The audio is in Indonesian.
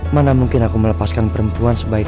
mana mungkin aku melepaskan perempuan sebaik kamu